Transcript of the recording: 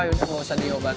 yaudah nggak usah diobat